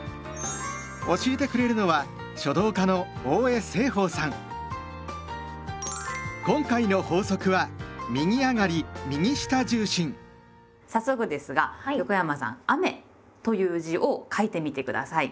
教えてくれるのは今回の法則は早速ですが横山さん「雨」という字を書いてみて下さい。